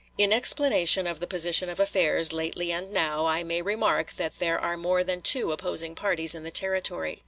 "In explanation of the position of affairs, lately and now, I may remark that there are more than two opposing parties in the Territory.